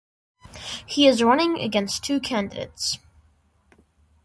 He is running against two candidates.